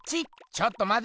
ちょっとまて。